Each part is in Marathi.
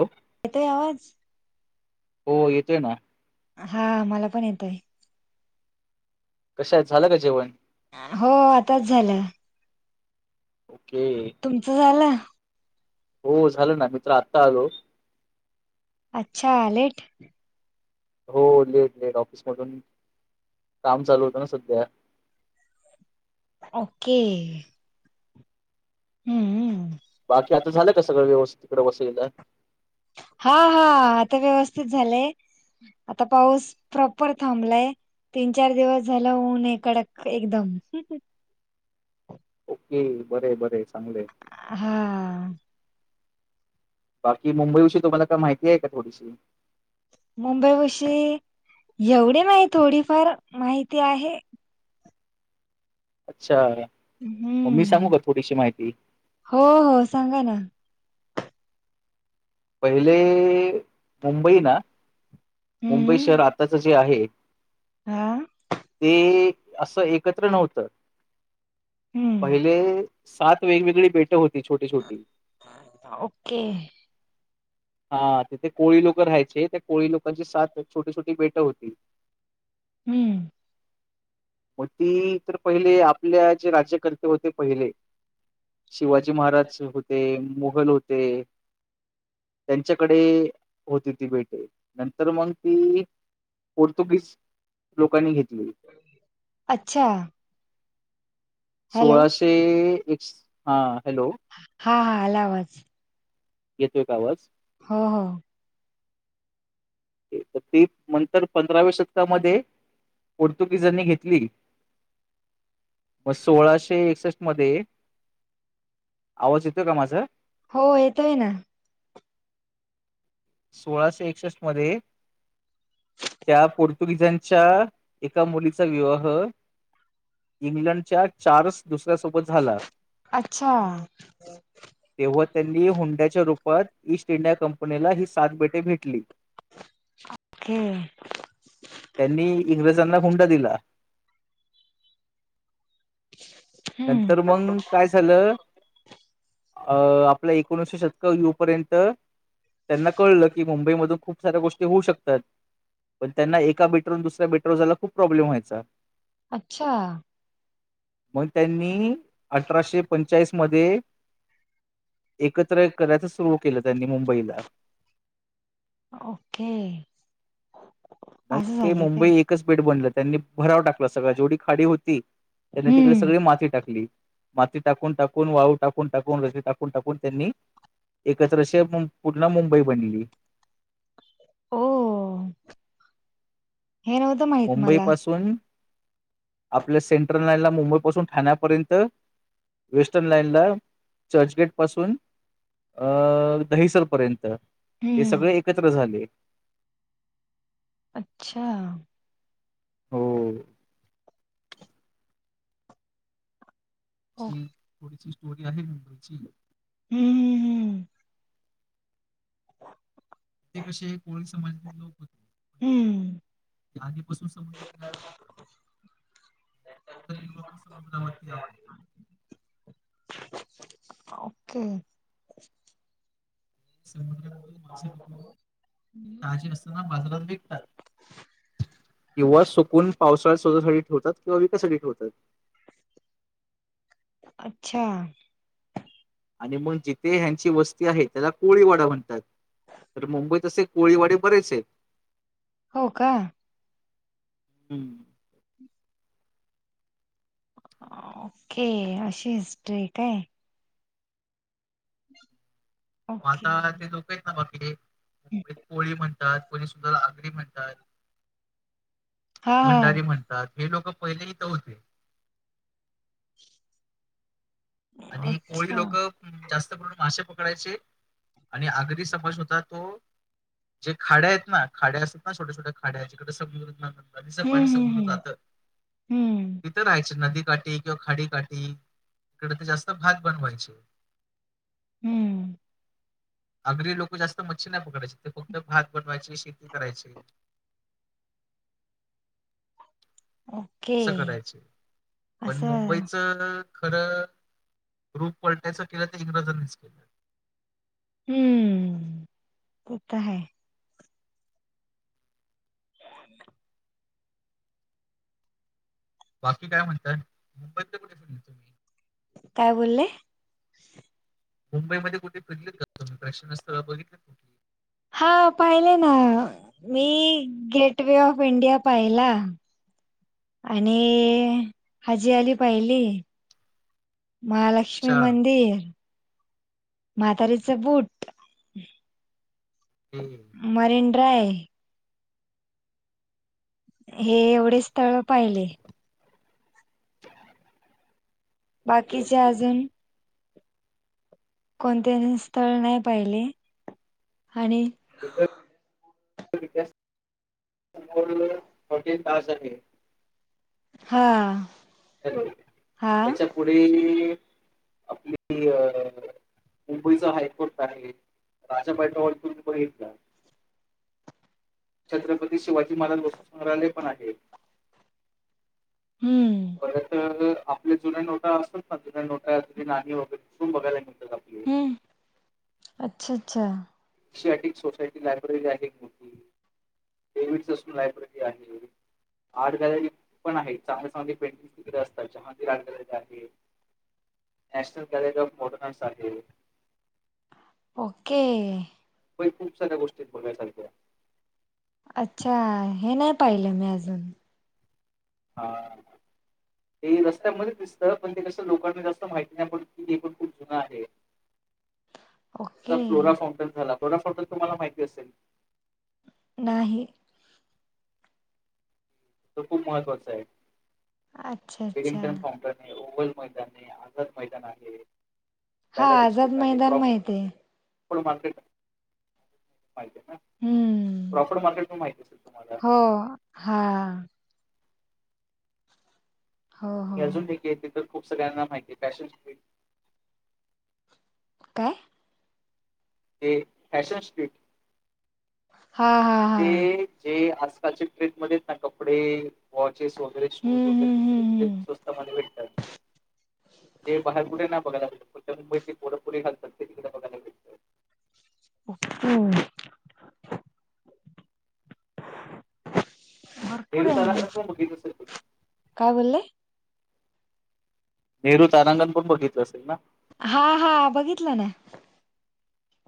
हॅलो येतोय आवाज हो येतोय ना हा मला पण येत आहे. कशा आहात झालं का जेवण हो आताच झालं ओके तुमचं झालं हो झालं ना मी तर आत्ता आलो. अच्छा लेट हो लेट लेट ऑफिस मधून काम चालू होतं, ना सध्या ओके हम्म हम्म बाकी आता झालं का सगळं व्यवस्थित तिकडे वसलेला हा हा आता व्यवस्थित झालंय आता पाऊस प्रॉपर थांबलाय तीन चार दिवस झाला ऊन आहे यकडक एकदम ह बर बर चांगलेय हा बाकी मुंबई विषी तुम्हाला काय माहिती आहे का थोडीशी मुंबई विषयी एवढे नाही थोडी फार माहिती आहे अच्छा मग मी हम्म सांगू का थोडीशी माहिती हो हो सांगा ना पहिले मुंबई ना मुंबई हम्म शहर आत्ताच जे आहे. हा ते असं एकत्र नव्हतं. हम्म पहिले सात वेगवेगळी बेट होती छोटी छोटी ओके हा तिथे कोळी लोकं राहायचे त्या कोळी लोकांची सात छोटी छोटी बेट होती. हम्म मग ती तर पहिले आपल्या जे राज्यकर्ते होते पहिले शिवाजी महाराज होते मोगल होते त्यांच्याकडे होती ती भेटे नंतर मग ती पोर्तुगीज लोकांनी घेतली अच्छा हॅलो सोळाशे एक हा हॅलो हा हा आला आवाज येतोय का आवाज हो ह तर ते नंतर पंधराव्या शतकामध्ये पोर्तुगीजांनी घेतली मग सोळाशे एकसष्ट मध्ये आवाज येतोय का माझा हो येतोय ना सोळाशे एकसष्ट मध्ये त्या पोर्तुगीजांच्या एका मुलीचा विवाह इंग्लंडच्या चार्ल्स दुसऱ्यासोबत झाला अच्छा तेव्हा त्यांनी हुंड्याच्या रूपात ईस्ट इंडिया कंपनीला ह बेटी भेटली ओके त्यांनी इंग्रजांना हुंडा दिला नंतर हम्म मंग काय झालं अं आपला एकोणीसशे शत येऊ पर्यंत त्यांना कळलं की मुंबई मधून खूप साऱ्या गोष्टी होऊ शकतात पण त्यां एकाेटरवरून दुसऱ्याेटरवरय खूप प्रॉब्लेम व्हायचा अच्छा मग त्यांनी अठराशे पंचाळीस मध्ये एकत्र करायच सुरू केलं त्यांनी मुंबईला ओके मग असं ते झालं काय मुंबई एकच बेड बनलं त्यांनी भराव टाकला सगळ जेवढी खाडी होती त्यांनी तिकडे हम्म सगळी माती टाकली माती टाकून टाकून वाळू टाकून टाकून रजे टाकून टाकून त्यांनी एकत्रशे पुूर्ण मुंबई बनली ओ हेन मुंबई पासून आपल्या सेंट्रल लाईनला मुंबई पासून ठाण्यापर्यंत वेस्टर्न लाइन ला चर्चगेट पासून अं दहिसरपर्यंत हे हम्म सगळे एकत्र झाले अच्छा हो ओ अशी थोडीशी स्टोरी आहे मुंबईची हम्म ते कसे कोळी समाजातील लोक होते हम्म हम्म हम्म ते आधीपासून संम लक समुद्रावरती आहे ओके समुद्र मासे पकडून ताजी असतात ना बाजारात विकतात किंवा सुकून पावसाळ्यात स्वतःसाठी ठेवतात किंवा विकासाठी ठेवतात अच्छा आणि मग जिथे ह्यांची वस्ती आहे त्याला कोळीवाडा म्हणतात तर मुंबईत असे कोळीवाडे बरेच आहे हो का हम्म. ओके अशी हिस्ट्री काय ओके माता ते लोकच ना बाकी पोळी म्हणतात पळी सुद्धाला आगरी म्हणतात हा भंडारी हा म्हणतात हे लोक पहिलेहीथं होते आणि कोळी अच्छा लोक जास्त प्रमा मासेे पकडायचे आणि आगरी समाज होता तो जे खाड्या आहेत ना खाड्या असत ना छोट्या छोट्या खाड्याच्याकडे सग नदीचं पाणी समोजलं हम्म हम्म जात हम्म तिथं राहायच नदीकाठी किंवा खाडी काठी िक जास्त भात बनवायचे हम्म अगरी लोक जास्त मच्छी नाही पकडायचे ते फक्त भात बनवायचे शेती करायचे ह असं करायच पण मुंबईच खरं रूप पलटायचं केलं तर इंग्रजांनीच केलं हम्म ते तर हाय बाकी काय म्हणतात मुंबईतच कुठे फिरले तुम्ही? काय बोलले मुंबईमध्येध्ये कुठेिरले प्रशना स्थळ बघितलं हा पाहिले ना मी गेटवे ऑफ इंडिया पाहिला आणि हजी आली पाहिली महालक्ष्मी लक्ष्मी अच्छा मंदिर म्हातारीचं बूट हम्म मरीन ड्राईव्ह हे एवढे स्थळ पाहिले बाकीचे अजून कोणते्या स्थळ नाही पाहिले आणि आहे हा. हा याच्या पुढे आपली अ मुंबईचा हायकोर्ट आहे. राजाभाई टावर ग्रुप बघितला. छत्रपती शिवाजी महाराज वस्तुसंग्रहालय पण आहे. हम्म परत आपले जुन्या नोटा असात ना जुन्या नोटा जुणी नाणी वगैरेसून बघायला मिळतात आपल्या हम्म अच्छा अच्छा एकशे अठ एक सोसायटी लायब्ररी आहे मोठी डेविड असून लायब्ररी आहे आर्ट गॅलरी पण आहे चांगले चांगले पेंटिंग्स तिकडे असतात चहा आर्ट गॅलरी आहे नॅशनल गॅलेरी ऑफ मोटरन्स आहे. ओके. प खूप साऱ्या गोष्टी बघायसारख्या अच्छा हे नाही पाहिले मी अजून हा. ते रस्त्यामध्येच दिसतं पण ते कसं लोकांना जास्त माहिती नाही पण की हे पण खूप जुन आहे. आ ओके फ्लोरा फाउंटेन झाला फ्लोरा फाउंटेन तुम्हाला माहिती असेल. नाही. त खूप महत्वाचा आहे अच्छा अच्छा विलिंग्टन फाउंटन आहे ओवल. मैदान आहे आझाद मैदान आहे. हा आझाद मैदान माहित आहे. प्रफ मार्केट माहिती आहे ना हम्म प्रॉफिट मार्केट प माहिती असेल तुम्हाला? हो. हा. हो. हो अजून दे येते तर खूप सगळ्यांना माहिती आहे पॅशन काय? ते फॅशन स्ट्रीट हा हा. हा ते जे आजकालच्या ट्रेंड मध्ये ना कपडे वॉचेस वगैरे शूज हम्म वगैरे हम्म दिसले हम्म ते हम्म स्वस्तपणे भेटतात. ते बाहेर कुठे ना बघायला लागते कच्या मुंबई ते पोरेपुरी घालतात ते तिकडे बघायलाग. हम्. भरपूर नेहरू आहे तारांगण मग पण बघितलं असेल तुम्ही? काय बोललेय. नेहरू तारांगण पण बघितलं असेल ना. हा हा बघितलं ना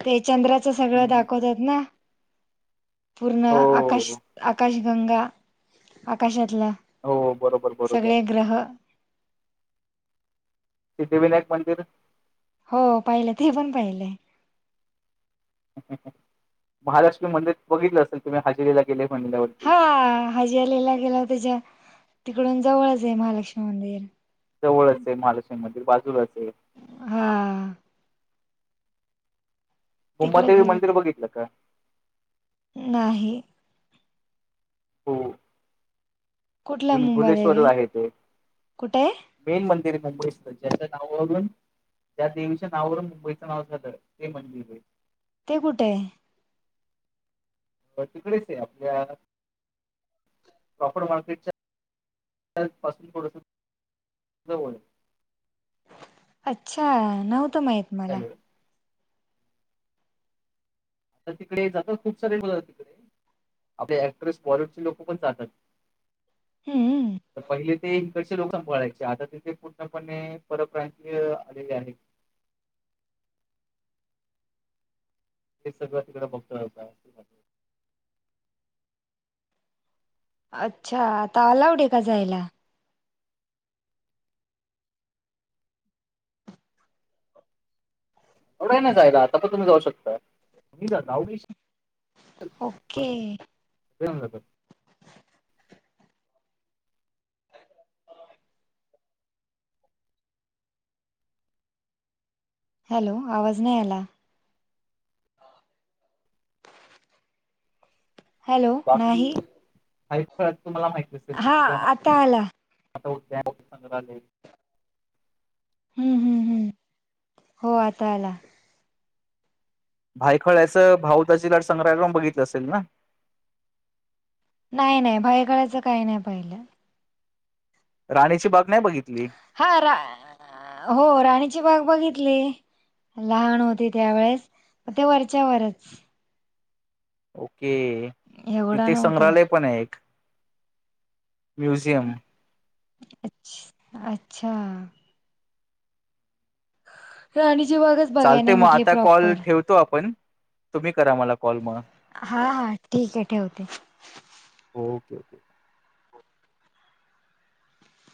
ते चंद्राचं सगळं दाखवतात ना. पूर्ण आकाश हो आकाशगंगा आकाशातला हो बरोबर बरोबर सगळे ग्रह सिद्धिविनायक मंदिर हो पाहिलं ते पण पाहिलंय. महालक्ष्मी मंदिर बघितलं असेल तुम्ही हजेरीला गेले महिल्यावरती हा हाजी आलेला गेला त्याच्या तिकडून जवळच आहे महालक्ष्मी मंदिर जवळच आहे महालक्ष्मी मंदिर बाजूलाच आहे. हा. तिकडे उंमादेवी मंदिर गेले बघितलं का? नाही. हो कुठला भुली भुलेश्वर मुंबादेवी आहे ते कुठे? मेन मंदिर मुंबईसन ज्याच नावावरून त्या देवीच्या नावावरून मुंबईचं नाव झालं ते मंदिर आहे. ते कुठे आहे. तिकडेच आहे आपल्या प्रॉपर मार्केटच्या पासून थोडास जवळ आहे. अच्छा नव्हतं माहित? मला. हॅलो! तर तिकडे जात खूप सारे ब तिकडे [inaudible] आपले क्ट्रेस बॉलवूड लोक पण जातात. हा. पहिले ते इकडचे लोक संपयचे आता तिथे पूर्णपणे परप्रांतीय आलेले आहेत. हे सगळं तिकडे बघतो काय वा. अच्छा आता अलावड आहे का जायला. एवढं आहे ना जायला आता पण तुम्ही जाऊ शकता तुही जा आवडी ओके. सगळे जण जातात. हॅलो आवाज नाही आला. हॅलो बाकी नाही. ह तुम्हाला माहित असेल हा आता आला. आतागले [inaudible] हम्म हम्म हम्म हो आता आला. भायखळ्याचं भाऊताची लट संग्रहालय पण बघित असेल ना, नाही नाही भायकळ्याच काही नाही पाहिलं. राणीची बाग नाही बघितली. हा, रा.. हो राणीची बाग बघितली. लहान होते त्यावेेळेस ते वरच्यावरच ओके एवढा तिथे नव्हता. संग्रहालय पण आहे एक म्यूझियम अच अच्छा राणीच्या बागाच चालते मग आता कॉल ठेवतो आपण, तुम्ही करा मला कॉल म हा हा ठीक आहे ठेवते. Okay okay